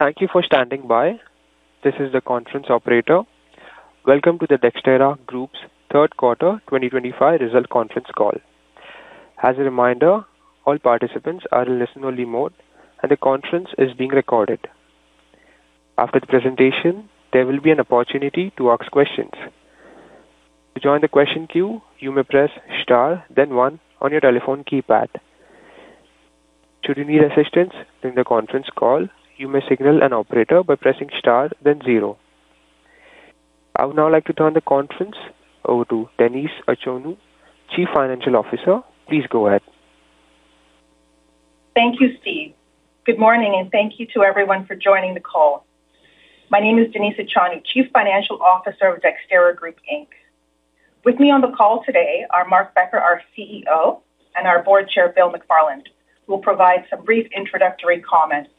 Thank you for standing by. This is the conference operator. Welcome to the Dexterra Group's third quarter 2025 result conference call. As a reminder, all participants are in listen-only mode, and the conference is being recorded. After the presentation, there will be an opportunity to ask questions. To join the question queue, you may press star, then one, on your telephone keypad. Should you need assistance during the conference call, you may signal an operator by pressing star, then zero. I would now like to turn the conference over to Denise Achonu, Chief Financial Officer. Please go ahead. Thank you, Steve. Good morning, and thank you to everyone for joining the call. My name is Denise Achonu, Chief Financial Officer of Dexterra Group. With me on the call today are Mark Becker, our CEO, and our Board Chair, Bill McFarland, who will provide some brief introductory comments.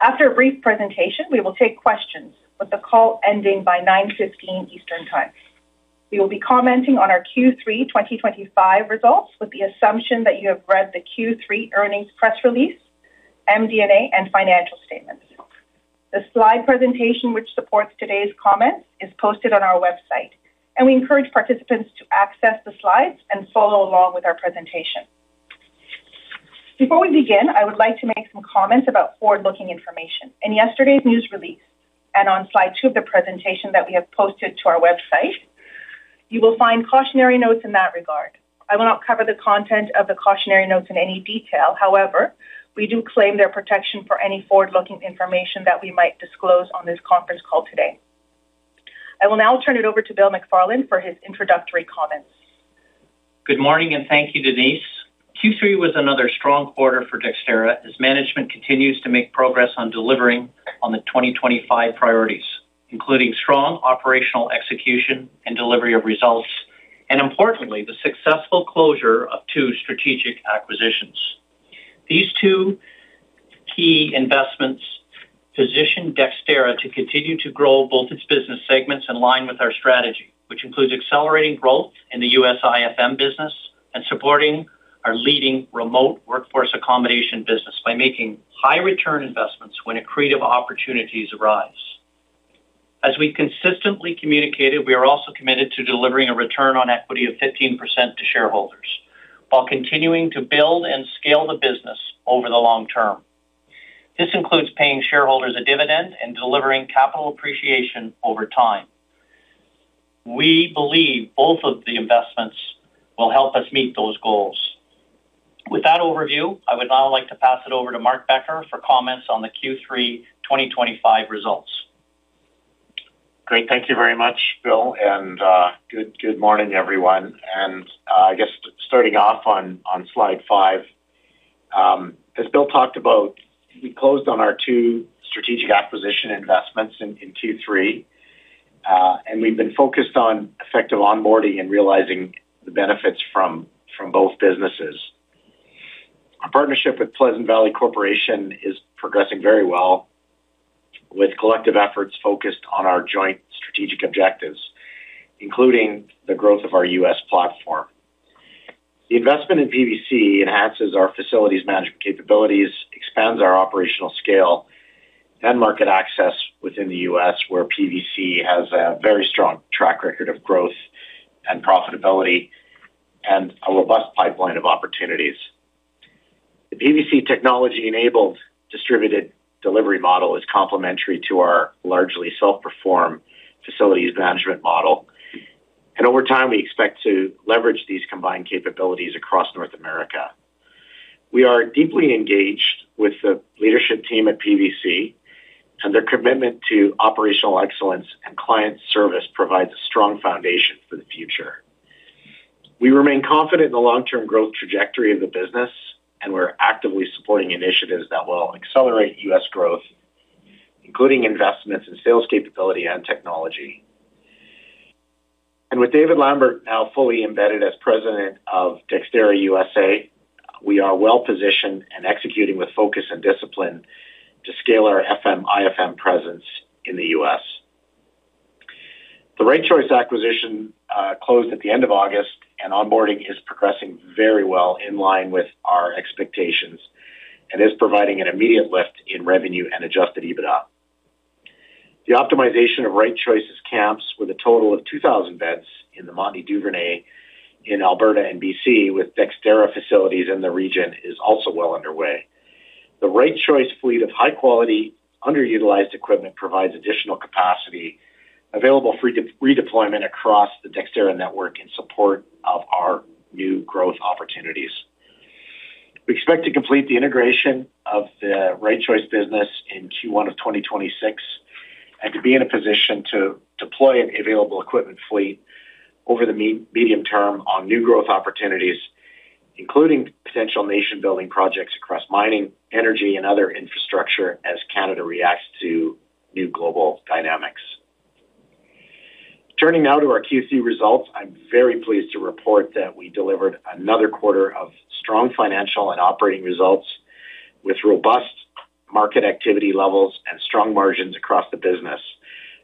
After a brief presentation, we will take questions, with the call ending by 9:15 A.M. Eastern time. We will be commenting on our Q3 2025 results with the assumption that you have read the Q3 earnings press release, MD&A, and financial statements. The slide presentation which supports today's comments is posted on our website, and we encourage participants to access the slides and follow along with our presentation. Before we begin, I would like to make some comments about forward-looking information in yesterday's news release and on slide two of the presentation that we have posted to our website. You will find cautionary notes in that regard. I will not cover the content of the cautionary notes in any detail. However, we do claim their protection for any forward-looking information that we might disclose on this conference call today. I will now turn it over to Bill McFarland for his introductory comments. Good morning, and thank you, Denise. Q3 was another strong quarter for Dexterra as management continues to make progress on delivering on the 2025 priorities, including strong operational execution and delivery of results, and importantly, the successful closure of two strategic acquisitions. These two key investments position Dexterra to continue to grow both its business segments in line with our strategy, which includes accelerating growth in the USIFM business and supporting our leading remote workforce accommodation business by making high-return investments when accretive opportunities arise. As we consistently communicated, we are also committed to delivering a return on equity of 15% to shareholders while continuing to build and scale the business over the long term. This includes paying shareholders a dividend and delivering capital appreciation over time. We believe both of the investments will help us meet those goals. With that overview, I would now like to pass it over to Mark Becker for comments on the Q3 2025 results. Great. Thank you very much, Bill, and good morning, everyone. I guess starting off on slide 5. As Bill talked about, we closed on our two strategic acquisition investments in Q3. We've been focused on effective onboarding and realizing the benefits from both businesses. Our partnership with Pleasant Valley Corporation is progressing very well. With collective efforts focused on our joint strategic objectives, including the growth of our U.S. platform. The investment in PVC enhances our facilities management capabilities, expands our operational scale, and market access within the U.S., where PVC has a very strong track record of growth and profitability and a robust pipeline of opportunities. The PVC technology-enabled distributed delivery model is complementary to our largely self-perform facilities management model. Over time, we expect to leverage these combined capabilities across North America. We are deeply engaged with the leadership team at PVC, and their commitment to operational excellence and client service provides a strong foundation for the future. We remain confident in the long-term growth trajectory of the business, and we're actively supporting initiatives that will accelerate U.S. growth, including investments in sales capability and technology. With David Lambert now fully embedded as President of Dexterra USA, we are well-positioned and executing with focus and discipline to scale our FM/IFM presence in the U.S. The Right Choice acquisition closed at the end of August, and onboarding is progressing very well in line with our expectations and is providing an immediate lift in revenue and Adjusted EBITDA. The optimization of Right Choice's camps with a total of 2,000 beds in the Montney-Duvernay in Alberta and BC with Dexterra facilities in the region is also well underway. The Right Choice fleet of high-quality, underutilized equipment provides additional capacity, available for free redeployment across the Dexterra network in support of our new growth opportunities. We expect to complete the integration of the Right Choice business in Q1 of 2026. We expect to be in a position to deploy an available equipment fleet over the medium term on new growth opportunities, including potential nation-building projects across mining, energy, and other infrastructure as Canada reacts to new global dynamics. Turning now to our Q3 results, I'm very pleased to report that we delivered another quarter of strong financial and operating results with robust market activity levels and strong margins across the business,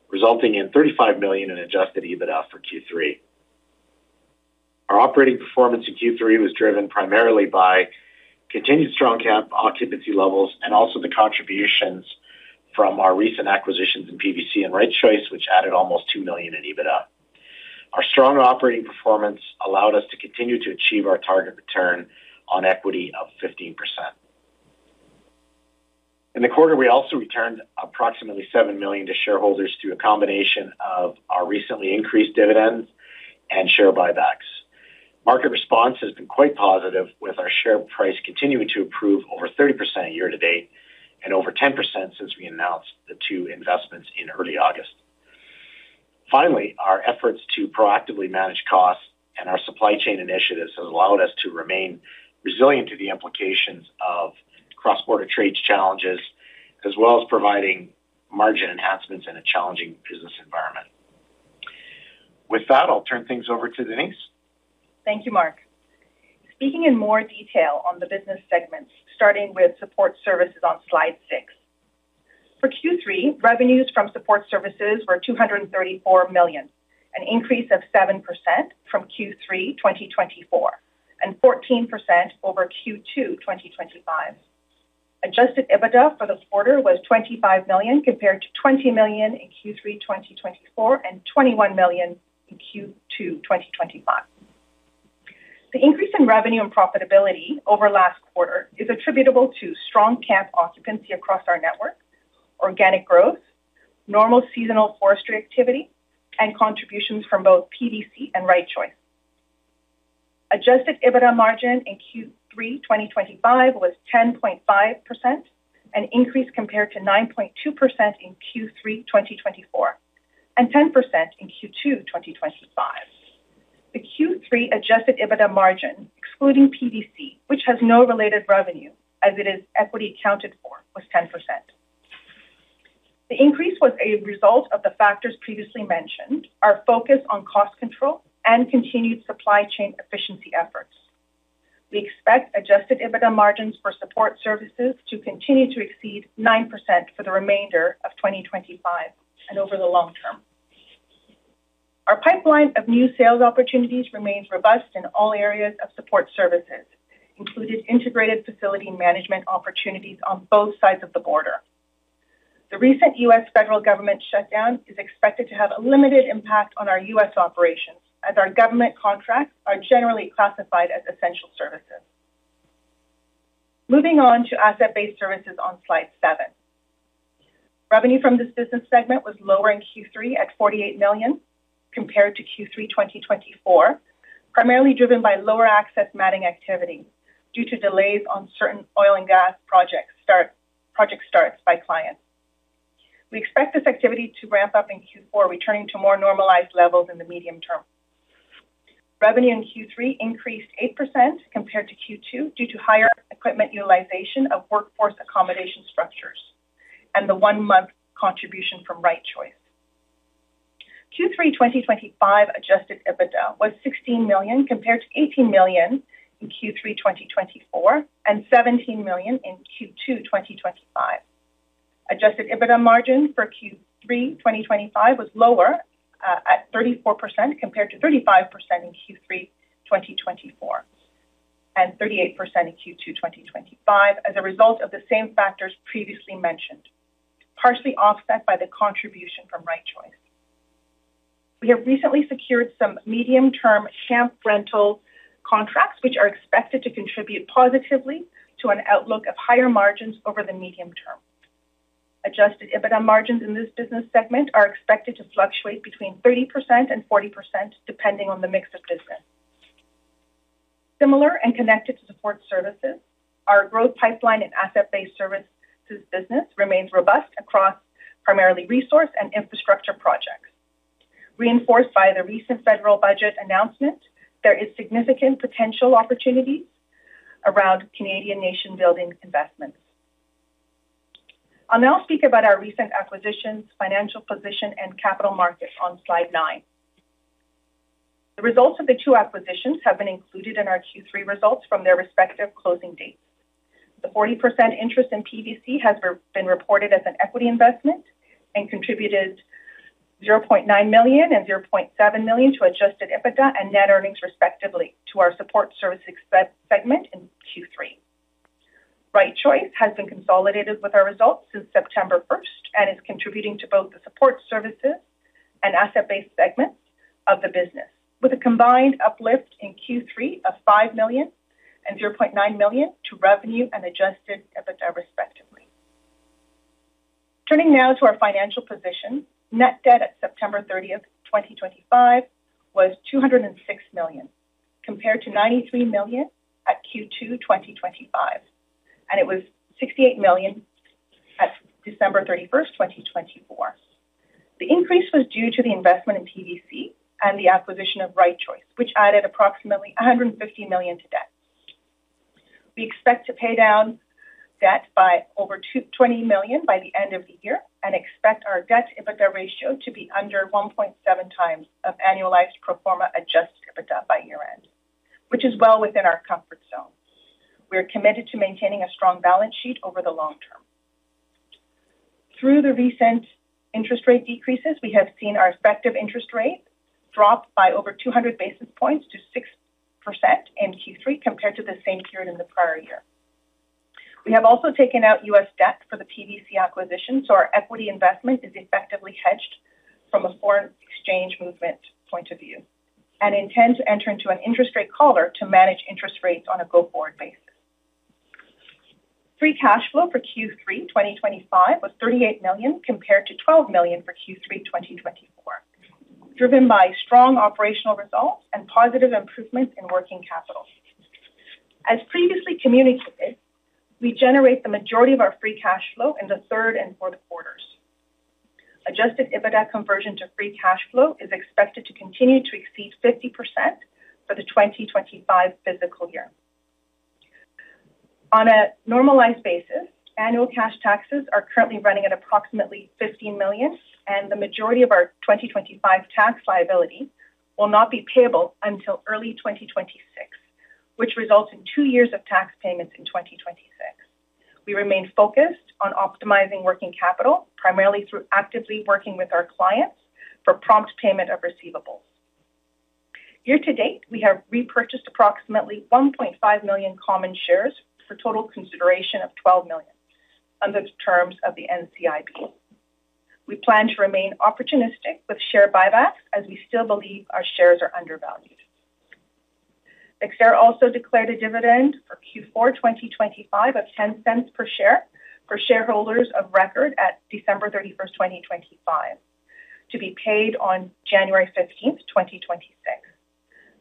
resulting in 35 million in Adjusted EBITDA for Q3. Our operating performance in Q3 was driven primarily by continued strong camp occupancy levels and also the contributions from our recent acquisitions in PVC and Right Choice, which added almost 2 million in EBITDA. Our strong operating performance allowed us to continue to achieve our target return on equity of 15%. In the quarter, we also returned approximately 7 million to shareholders through a combination of our recently increased dividends and share buybacks. Market response has been quite positive, with our share price continuing to improve over 30% year-to-date and over 10% since we announced the two investments in early August. Finally, our efforts to proactively manage costs and our supply chain initiatives have allowed us to remain resilient to the implications of cross-border trade challenges, as well as providing margin enhancements in a challenging business environment. With that, I'll turn things over to Denise. Thank you, Mark. Speaking in more detail on the business segments, starting with support services on slide six. For Q3, revenues from support services were 234 million, an increase of 7% from Q3 2024 and 14% over Q2 2025. Adjusted EBITDA for the quarter was 25 million, compared to 20 million in Q3 2024 and 21 million in Q2 2025. The increase in revenue and profitability over last quarter is attributable to strong camp occupancy across our network, organic growth, normal seasonal forestry activity, and contributions from both PVC and Right Choice. Adjusted EBITDA margin in Q3 2025 was 10.5%, an increase compared to 9.2% in Q3 2024 and 10% in Q2 2025. The Q3 Adjusted EBITDA margin, excluding PVC, which has no related revenue as it is equity accounted for, was 10%. The increase was a result of the factors previously mentioned, our focus on cost control, and continued supply chain efficiency efforts. We expect Adjusted EBITDA margins for support services to continue to exceed 9% for the remainder of 2025 and over the long term. Our pipeline of new sales opportunities remains robust in all areas of support services, including integrated facility management opportunities on both sides of the border. The recent U.S. federal government shutdown is expected to have a limited impact on our U.S. operations, as our government contracts are generally classified as essential services. Moving on to asset-based services on slide seven. Revenue from this business segment was lower in Q3 at 48 million compared to Q3 2024, primarily driven by lower access matting activity due to delays on certain oil and gas project starts by clients. We expect this activity to ramp up in Q4, returning to more normalized levels in the medium term. Revenue in Q3 increased 8% compared to Q2 due to higher equipment utilization of workforce accommodation structures and the one-month contribution from Right Choice. Q3 2025 Adjusted EBITDA was 16 million compared to 18 million in Q3 2024 and 17 million in Q2 2025. Adjusted EBITDA margin for Q3 2025 was lower at 34% compared to 35% in Q3 2024 and 38% in Q2 2025 as a result of the same factors previously mentioned, partially offset by the contribution from Right Choice. We have recently secured some medium-term camp rental contracts, which are expected to contribute positively to an outlook of higher margins over the medium term. Adjusted EBITDA margins in this business segment are expected to fluctuate between 30% and 40%, depending on the mix of business. Similar and connected to support services, our growth pipeline in asset-based services business remains robust across primarily resource and infrastructure projects. Reinforced by the recent federal budget announcement, there is significant potential opportunities around Canadian nation-building investments. I'll now speak about our recent acquisitions, financial position, and capital markets on slide nine. The results of the two acquisitions have been included in our Q3 results from their respective closing dates. The 40% interest in PVC has been reported as an equity investment and contributed 0.9 million and 0.7 million to Adjusted EBITDA and net earnings, respectively, to our support services segment in Q3. Right Choice has been consolidated with our results since September 1st and is contributing to both the support services and asset-based segments of the business, with a combined uplift in Q3 of 5 million and 0.9 million to revenue and Adjusted EBITDA, respectively. Turning now to our financial position, net debt at September 30, 2025, was 206 million compared to 93 million at Q2 2025, and it was 68 million at December 31, 2024. The increase was due to the investment in PVC and the acquisition of Right Choice, which added approximately 150 million to debt. We expect to pay down debt by over 20 million by the end of the year and expect our debt/EBITDA ratio to be under 1.7x of annualized pro forma adjusted EBITDA by year-end, which is well within our comfort zone. We are committed to maintaining a strong balance sheet over the long term. Through the recent interest rate decreases, we have seen our effective interest rate drop by over 200 basis points to 6% in Q3 compared to the same period in the prior year. We have also taken out U.S. debt for the PVC acquisition, so our equity investment is effectively hedged from a foreign exchange movement point of view and intend to enter into an interest rate collar to manage interest rates on a go-forward basis. Free cash flow for Q3 2025 was 38 million compared to 12 million for Q3 2024, driven by strong operational results and positive improvements in working capital. As previously communicated, we generate the majority of our free cash flow in the third and fourth quarters. Adjusted EBITDA conversion to free cash flow is expected to continue to exceed 50% for the 2025 fiscal year. On a normalized basis, annual cash taxes are currently running at approximately 15 million, and the majority of our 2025 tax liability will not be payable until early 2026, which results in two years of tax payments in 2026. We remain focused on optimizing working capital, primarily through actively working with our clients for prompt payment of receivables. Year-to-date, we have repurchased approximately 1.5 million common shares for total consideration of 12 million under the terms of the NCIB. We plan to remain opportunistic with share buybacks as we still believe our shares are undervalued. Dexterra also declared a dividend for Q4 2025 of 0.10 per share for shareholders of record at December 31, 2025, to be paid on January 15th, 2026.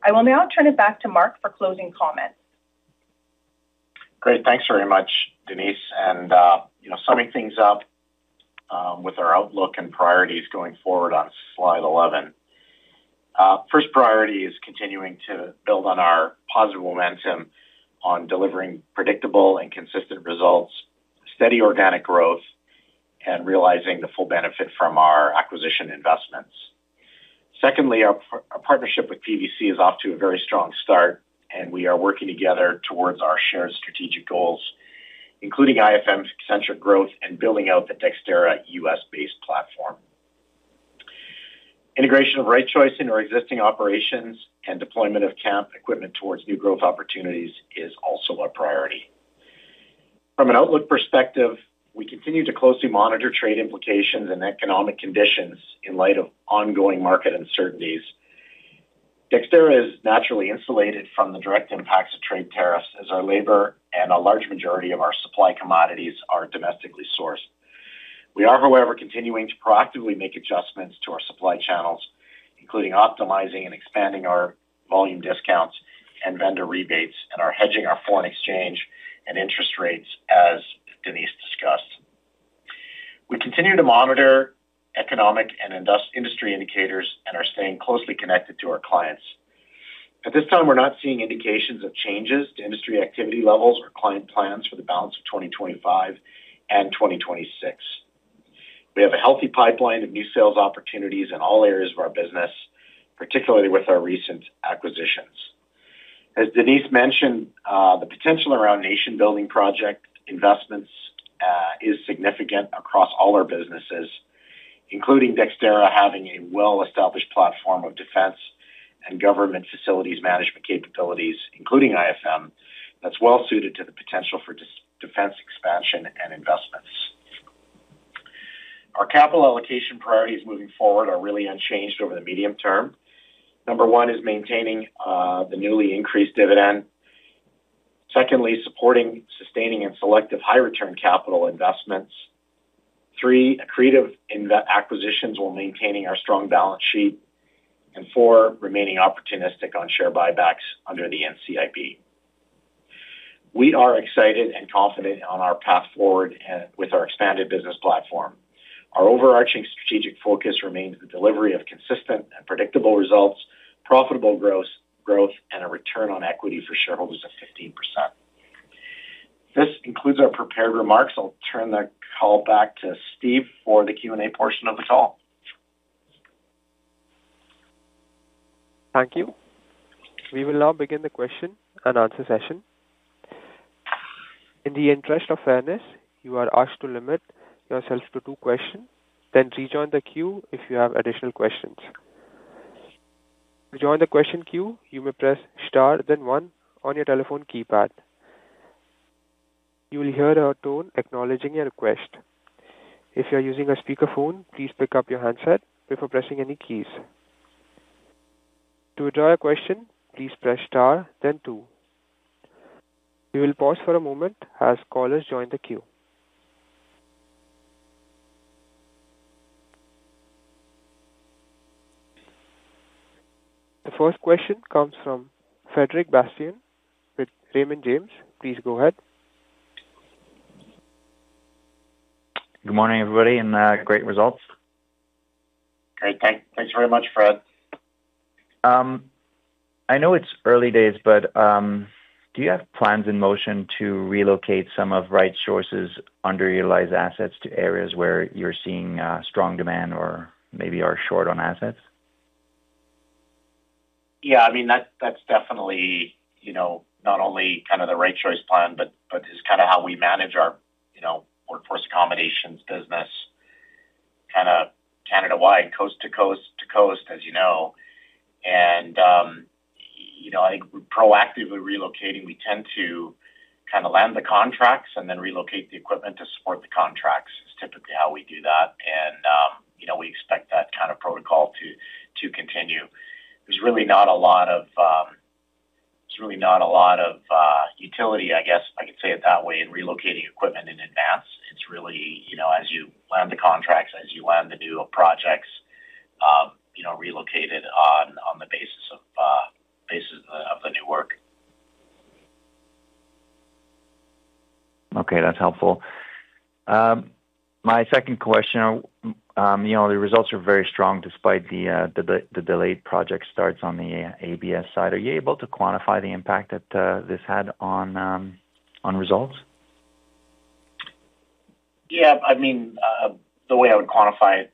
I will now turn it back to Mark for closing comments. Great. Thanks very much, Denise. Summing things up with our outlook and priorities going forward on slide 11. First priority is continuing to build on our positive momentum on delivering predictable and consistent results, steady organic growth, and realizing the full benefit from our acquisition investments. Secondly, our partnership with PVC is off to a very strong start, and we are working together towards our shared strategic goals, including IFM-centric growth and building out the Dexterra U.S.-based platform. Integration of Right Choice into our existing operations and deployment of camp equipment towards new growth opportunities is also a priority. From an outlook perspective, we continue to closely monitor trade implications and economic conditions in light of ongoing market uncertainties. Dexterra is naturally insulated from the direct impacts of trade tariffs as our labor and a large majority of our supply commodities are domestically sourced. We are, however, continuing to proactively make adjustments to our supply channels, including optimizing and expanding our volume discounts and vendor rebates and are hedging our foreign exchange and interest rates as Denise discussed. We continue to monitor economic and industry indicators and are staying closely connected to our clients. At this time, we're not seeing indications of changes to industry activity levels or client plans for the balance of 2025 and 2026. We have a healthy pipeline of new sales opportunities in all areas of our business, particularly with our recent acquisitions. As Denise mentioned, the potential around nation-building project investments is significant across all our businesses, including Dexterra having a well-established platform of defense and government facilities management capabilities, including IFM, that's well suited to the potential for defense expansion and investments. Our capital allocation priorities moving forward are really unchanged over the medium term. Number one is maintaining the newly increased dividend. Secondly, supporting, sustaining, and selective high-return capital investments. Three, accretive acquisitions while maintaining our strong balance sheet. Four, remaining opportunistic on share buybacks under the NCIB. We are excited and confident on our path forward with our expanded business platform. Our overarching strategic focus remains the delivery of consistent and predictable results, profitable growth, and a return on equity for shareholders of 15%. This concludes our prepared remarks. I'll turn the call back to Steve for the Q&A portion of the call. Thank you. We will now begin the question and answer session. In the interest of fairness, you are asked to limit yourself to two questions, then rejoin the queue if you have additional questions. To join the question queue, you may press star, then one on your telephone keypad. You will hear a tone acknowledging your request. If you're using a speakerphone, please pick up your handset before pressing any keys. To withdraw a question, please press star, then two. We will pause for a moment as callers join the queue. The first question comes from Frederic Bastien with Raymond James. Please go ahead. Good morning, everybody, and great results. Great. Thanks very much, Fred. I know it's early days, but. Do you have plans in motion to relocate some of Right Choice's underutilized assets to areas where you're seeing strong demand or maybe are short on assets? Yeah. I mean, that's definitely not only kind of the Right Choice plan, but it's kind of how we manage our workforce accommodations business, kind of Canada-wide, coast to coast to coast, as you know. I think proactively relocating, we tend to kind of land the contracts and then relocate the equipment to support the contracts. It's typically how we do that. We expect that kind of protocol to continue. There's really not a lot of utility, I guess I could say it that way, in relocating equipment in advance. It's really as you land the contracts, as you land the new projects, relocate it on the basis of the new work. Okay. That's helpful. My second question. The results are very strong despite the delayed project starts on the ABS side. Are you able to quantify the impact that this had on results? Yeah. I mean, the way I would quantify it,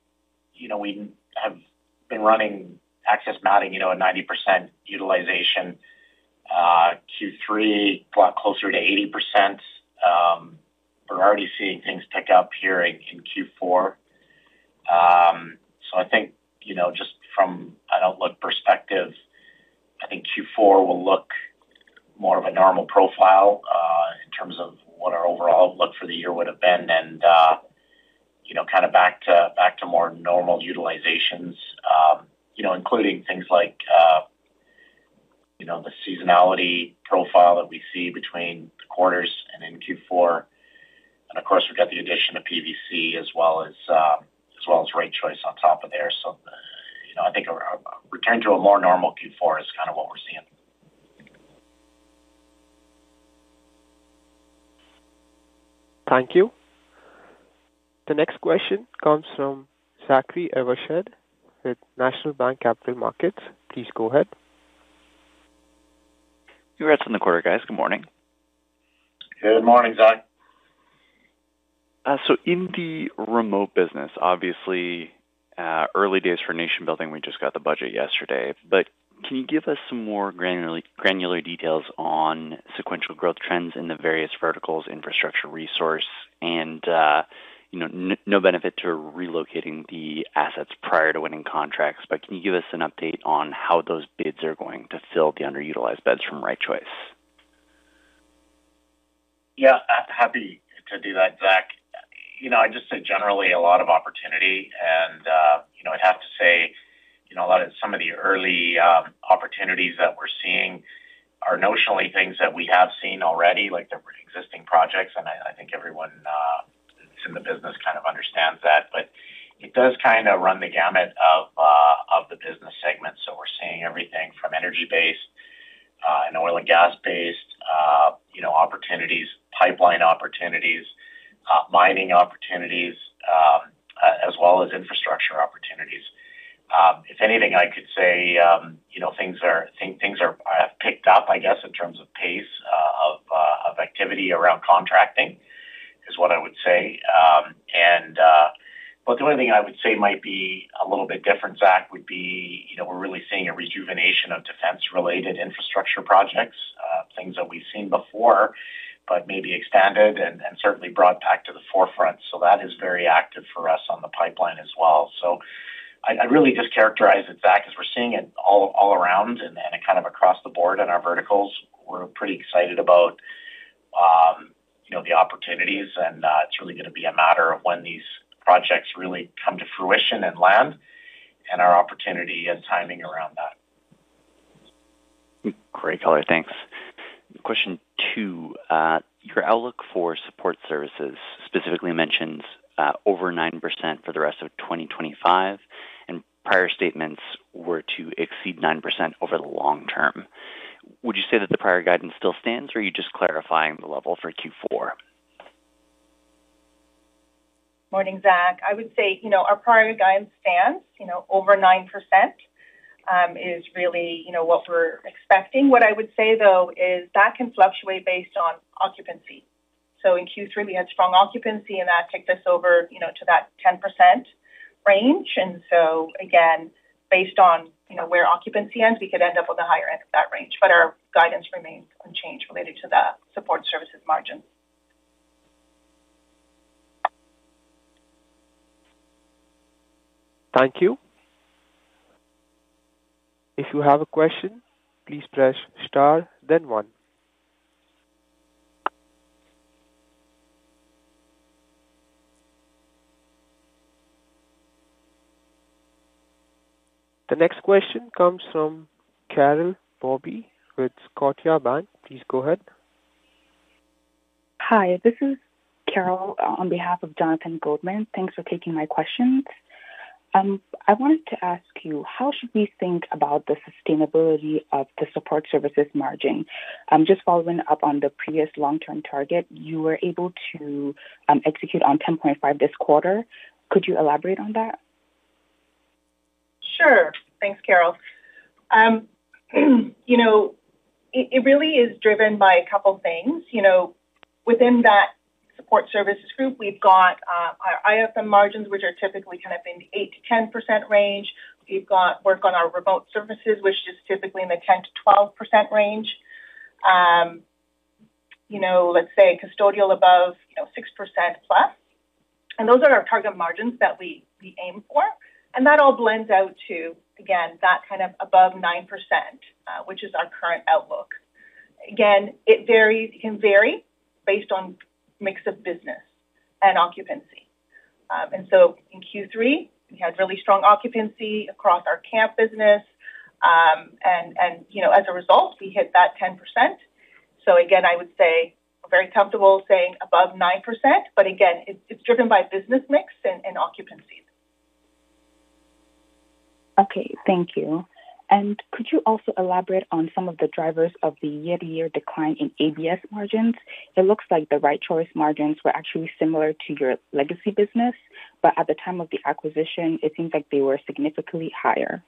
we have been running access matting at 90% utilization. Q3, a lot closer to 80%. We're already seeing things pick up here in Q4. I think just from an outlook perspective, I think Q4 will look more of a normal profile in terms of what our overall outlook for the year would have been. Kind of back to more normal utilizations. Including things like the seasonality profile that we see between the quarters and in Q4. Of course, we've got the addition of PVC as well as Right Choice on top of there. I think a return to a more normal Q4 is kind of what we're seeing. Thank you. The next question comes from Zachary Evershed with National Bank Capital Markets. Please go ahead. You're at the quarter, guys. Good morning. Good morning, Zach. In the remote business, obviously. Early days for nation-building. We just got the budget yesterday. Can you give us some more granular details on sequential growth trends in the various verticals, infrastructure, resource, and no benefit to relocating the assets prior to winning contracts? Can you give us an update on how those bids are going to fill the underutilized beds from Right Choice? Yeah. Happy to do that, Zach. I just say generally a lot of opportunity. I'd have to say a lot of some of the early opportunities that we're seeing are notionally things that we have seen already, like the existing projects. I think everyone that's in the business kind of understands that. It does kind of run the gamut of the business segment. We're seeing everything from energy-based and oil and gas-based opportunities, pipeline opportunities, mining opportunities, as well as infrastructure opportunities. If anything, I could say things are picked up, I guess, in terms of pace of activity around contracting is what I would say. The only thing I would say might be a little bit different, Zach, would be we're really seeing a rejuvenation of defense-related infrastructure projects, things that we've seen before, but maybe expanded and certainly brought back to the forefront. That is very active for us on the pipeline as well. I would really just characterize it, Zach, as we're seeing it all around and kind of across the board in our verticals. We're pretty excited about the opportunities. It's really going to be a matter of when these projects really come to fruition and land and our opportunity and timing around that. Great color. Thanks. Question two. Your outlook for support services specifically mentions over 9% for the rest of 2025. And prior statements were to exceed 9% over the long term. Would you say that the prior guidance still stands, or are you just clarifying the level for Q4? Morning, Zach. I would say our prior guidance stands. Over 9% is really what we're expecting. What I would say, though, is that can fluctuate based on occupancy. In Q3, we had strong occupancy, and that took us over to that 10% range. Again, based on where occupancy ends, we could end up on the higher end of that range. Our guidance remains unchanged related to the support services margin. Thank you. If you have a question, please press star, then one. The next question comes from Carol Adu-Bobie with Scotiabank. Please go ahead. Hi. This is Carol on behalf of Jonathan Goldman. Thanks for taking my questions. I wanted to ask you, how should we think about the sustainability of the support services margin? Just following up on the previous long-term target, you were able to execute on 10.5% this quarter. Could you elaborate on that? Sure. Thanks, Carol. It really is driven by a couple of things. Within that support services group, we've got our IFM margins, which are typically kind of in the 8%-10% range. We've got work on our remote services, which is typically in the 10%-12% range. Let's say custodial above 6%+. And those are our target margins that we aim for. That all blends out to, again, that kind of above 9%, which is our current outlook. Again, it can vary based on mix of business and occupancy. In Q3, we had really strong occupancy across our camp business. As a result, we hit that 10%. Again, I would say we're very comfortable saying above 9%. Again, it's driven by business mix and occupancy. Okay. Thank you. Could you also elaborate on some of the drivers of the year-to-year decline in ABS margins? It looks like the Right Choice margins were actually similar to your legacy business, but at the time of the acquisition, it seems like they were significantly higher.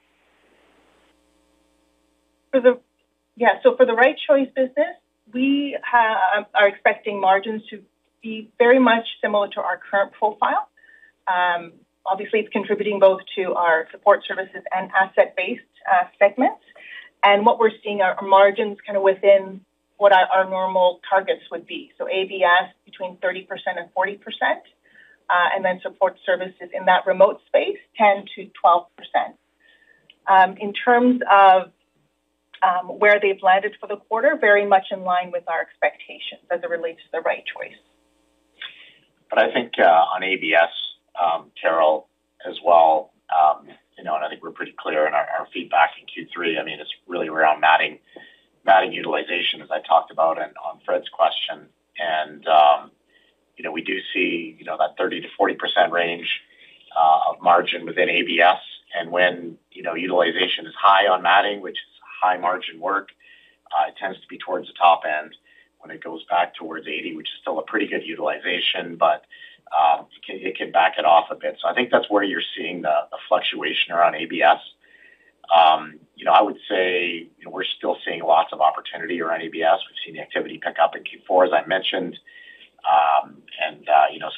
Yeah. For the Right Choice business, we are expecting margins to be very much similar to our current profile. Obviously, it is contributing both to our support services and asset-based segments. What we are seeing are margins kind of within what our normal targets would be. So ABS, between 30%-40%. Support services in that remote space, 10%-12%. In terms of where they have landed for the quarter, very much in line with our expectations as it relates to the Right Choice. I think on ABS, Carol, as well. I think we're pretty clear in our feedback in Q3. I mean, it's really around matting. Utilization, as I talked about on Fred's question. We do see that 30%-40% range of margin within ABS. When utilization is high on matting, which is high-margin work, it tends to be towards the top end. When it goes back towards 80%, which is still a pretty good utilization, it can back it off a bit. I think that's where you're seeing the fluctuation around ABS. I would say we're still seeing lots of opportunity around ABS. We've seen the activity pick up in Q4, as I mentioned.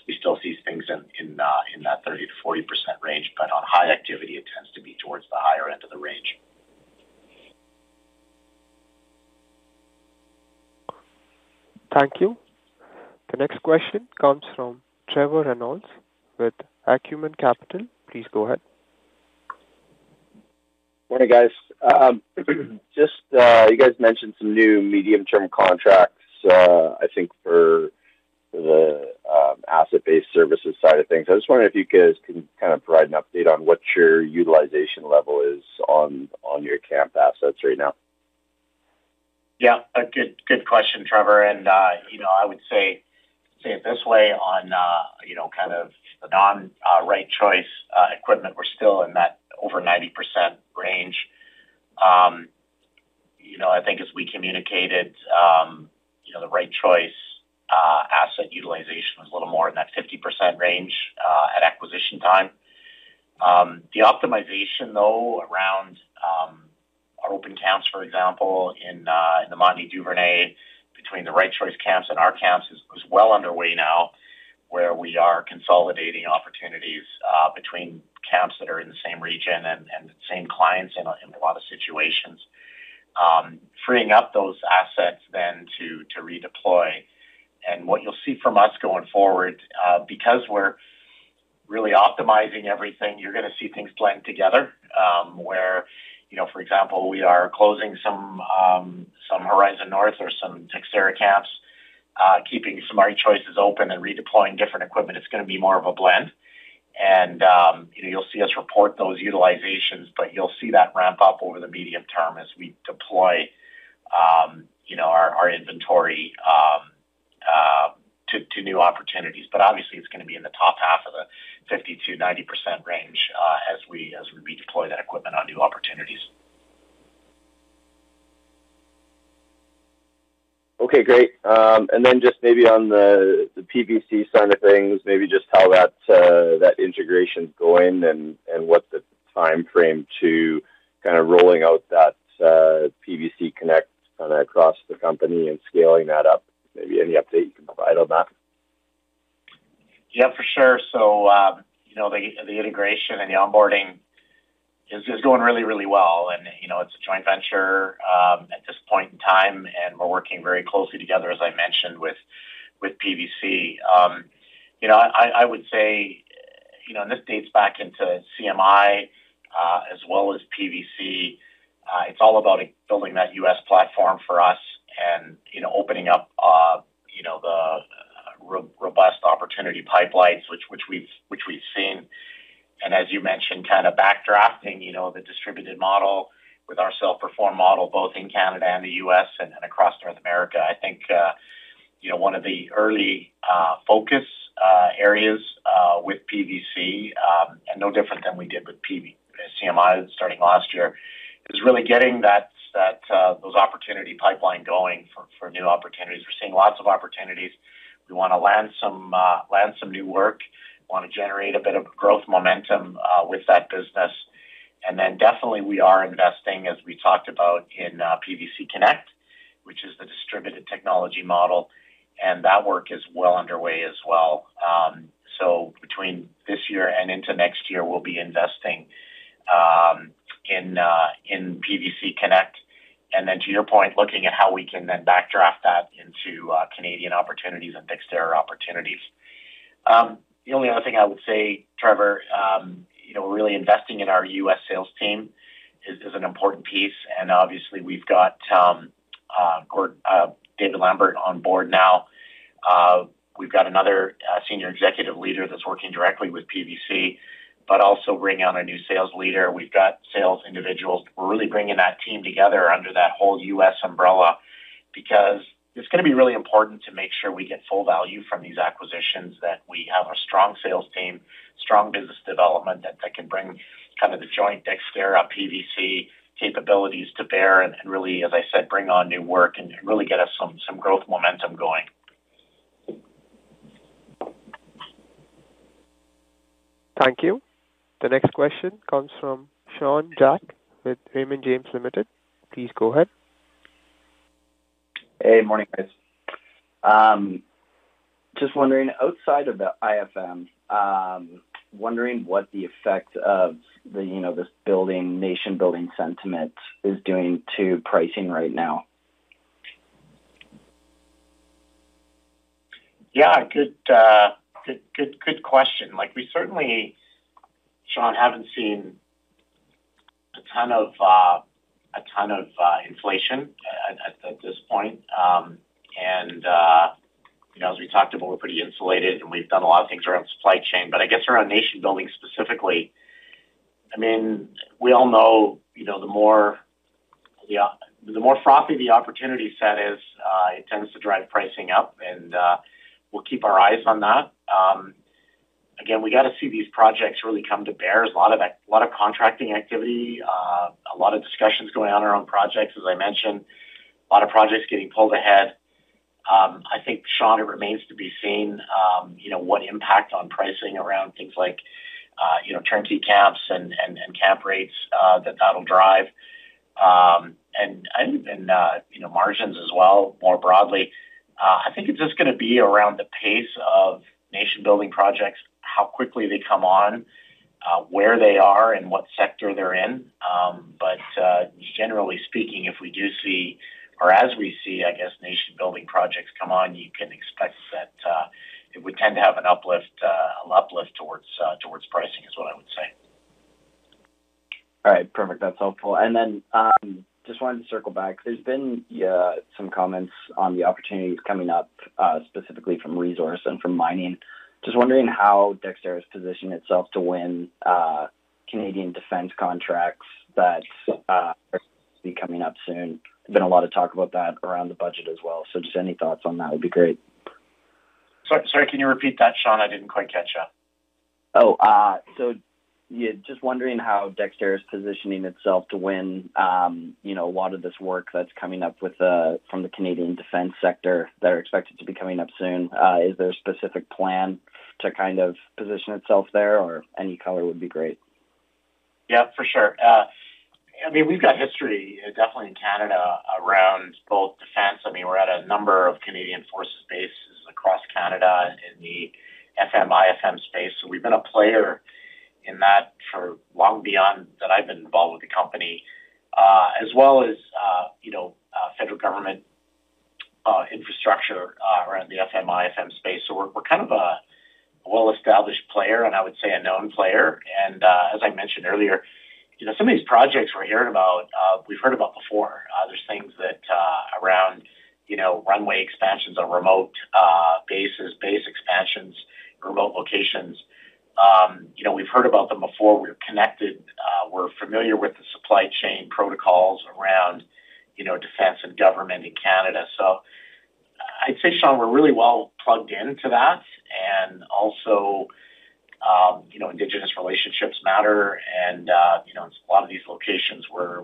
We still see things in that 30%-40% range. On high activity, it tends to be towards the higher end of the range. Thank you. The next question comes from Trevor Reynolds with Acumen Capital. Please go ahead. Morning, guys. Just you guys mentioned some new medium-term contracts, I think, for the asset-based services side of things. I just wondered if you guys can kind of provide an update on what your utilization level is on your camp assets right now. Yeah. Good question, Trevor. And I would say it this way on kind of the non-Right Choice equipment, we're still in that over 90% range. I think as we communicated, the Right Choice asset utilization was a little more in that 50% range at acquisition time. The optimization, though, around our open camps, for example, in the Montney-Duvernay, between the Right Choice camps and our camps, is well underway now, where we are consolidating opportunities between camps that are in the same region and the same clients in a lot of situations. Freeing up those assets then to redeploy. What you'll see from us going forward, because we're really optimizing everything, you're going to see things blend together. For example, we are closing some Horizon North or some Dexterra camps, keeping some Right Choice camps open and redeploying different equipment. It's going to be more of a blend. You'll see us report those utilizations, but you'll see that ramp up over the medium term as we deploy our inventory to new opportunities. Obviously, it's going to be in the top half of the 50%-90% range as we deploy that equipment on new opportunities. Okay. Great. Maybe on the PVC side of things, maybe just how that integration is going and what the timeframe is to kind of rolling out that PVC Connect across the company and scaling that up. Maybe any update you can provide on that? Yeah, for sure. The integration and the onboarding is going really, really well. It is a joint venture at this point in time. We are working very closely together, as I mentioned, with PVC. I would say, and this dates back into CMI as well as PVC, it is all about building that U.S. platform for us and opening up the robust opportunity pipelines, which we have seen. As you mentioned, kind of backdrafting the distributed model with our self-performed model, both in Canada and the U.S. and across North America. I think one of the early focus areas with PVC, and no different than we did with CMI starting last year, is really getting those opportunity pipeline going for new opportunities. We are seeing lots of opportunities. We want to land some new work, want to generate a bit of growth momentum with that business. Definitely, we are investing, as we talked about, in PVC Connect, which is the distributed technology model. That work is well underway as well. Between this year and into next year, we will be investing in PVC Connect. To your point, looking at how we can then backdraft that into Canadian opportunities and Dexterra opportunities. The only other thing I would say, Trevor, we are really investing in our U.S. sales team. It is an important piece. Obviously, we have got David Lambert on board now. We have got another senior executive leader that is working directly with PVC, but also bringing on a new sales leader. We have got sales individuals. We're really bringing that team together under that whole US umbrella because it's going to be really important to make sure we get full value from these acquisitions, that we have a strong sales team, strong business development that can bring kind of the joint Dexterra PVC capabilities to bear and really, as I said, bring on new work and really get us some growth momentum going. Thank you. The next question comes from Sean Jack with Raymond James Limited. Please go ahead. Hey. Morning, guys. Just wondering, outside of the IFM. Wondering what the effect of this nation-building sentiment is doing to pricing right now. Yeah. Good question. Sean, haven't seen a ton of inflation at this point. As we talked about, we're pretty insulated, and we've done a lot of things around supply chain. I guess around nation-building specifically, I mean, we all know the more frothy the opportunity set is, it tends to drive pricing up. We'll keep our eyes on that. Again, we got to see these projects really come to bear. There's a lot of contracting activity, a lot of discussions going on around projects, as I mentioned, a lot of projects getting pulled ahead. I think, Sean, it remains to be seen what impact on pricing around things like turnkey camps and camp rates that that'll drive. I. Margins as well, more broadly. I think it's just going to be around the pace of nation-building projects, how quickly they come on, where they are, and what sector they're in. Generally speaking, if we do see, or as we see, I guess, nation-building projects come on, you can expect that. We tend to have an uplift towards pricing is what I would say. All right. Perfect. That's helpful. I just wanted to circle back. There's been some comments on the opportunities coming up specifically from resource and from mining. Just wondering how Dexterra is positioning itself to win Canadian defense contracts that are going to be coming up soon. There's been a lot of talk about that around the budget as well. Any thoughts on that would be great. Sorry. Can you repeat that, Sean? I didn't quite catch you. Oh. So just wondering how Dexterra is positioning itself to win. A lot of this work that's coming up from the Canadian defense sector that are expected to be coming up soon. Is there a specific plan to kind of position itself there, or any color would be great? Yeah. For sure. I mean, we've got history definitely in Canada around both defense. I mean, we're at a number of Canadian Forces bases across Canada in the FM/IFM space. So we've been a player in that for long beyond that I've been involved with the company. As well as federal government infrastructure around the FM/IFM space. So we're kind of a well-established player, and I would say a known player. And as I mentioned earlier, some of these projects we're hearing about, we've heard about before. There's things around runway expansions on remote bases, base expansions, remote locations. We've heard about them before. We're connected. We're familiar with the supply chain protocols around defense and government in Canada. I'd say, Sean, we're really well plugged into that. Also, Indigenous relationships matter. In a lot of these locations, we're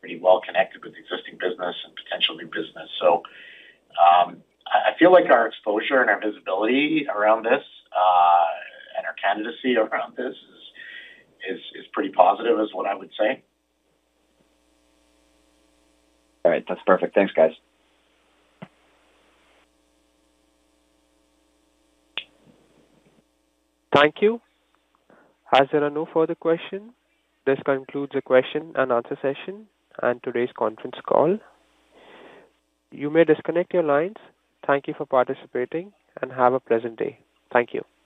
pretty well connected with existing business and potential new business. I feel like our exposure and our visibility around this, and our candidacy around this, is pretty positive, is what I would say. All right. That's perfect. Thanks, guys. Thank you. As there are no further questions, this concludes the question and answer session and today's conference call. You may disconnect your lines. Thank you for participating and have a pleasant day. Thank you.